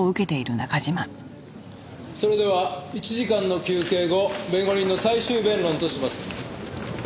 それでは１時間の休憩後弁護人の最終弁論とします。